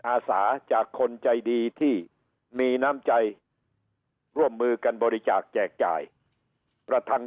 อาสาจากคนใจดีที่มีน้ำใจร่วมมือกันบริจาคแจกจ่ายประทัง